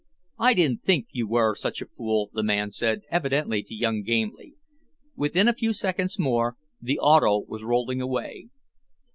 "I didn't think you were such a fool," the man said, evidently to young Gamely. Within a few seconds more the auto was rolling away.